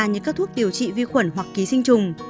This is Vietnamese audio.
như các thuốc điều trị vi khuẩn hoặc ký sinh trùng